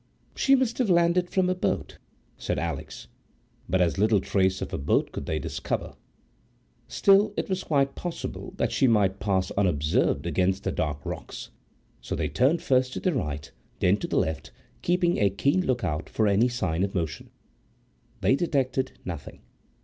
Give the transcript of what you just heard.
"She must have landed from a boat," said Alix; but as little trace of a boat could they discover. Still it was quite possible that she might pass unobserved against the dark rocks, so they turned first to the right, then to the left, keeping a keen look out for any sign of motion. They detected nothing.